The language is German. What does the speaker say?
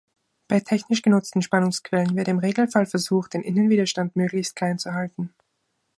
Bei technisch genutzten Spannungsquellen wird im Regelfall versucht, den Innenwiderstand möglichst klein zu halten.